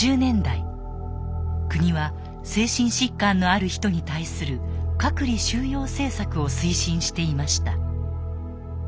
国は精神疾患のある人に対する「隔離収容政策」を推進していました。